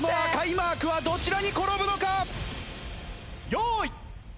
用意。